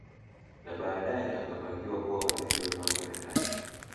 Na baadae akapangiwa kuwa Waziri wa Mambo ya Ndani